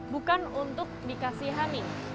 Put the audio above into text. bukan untuk dikasih hami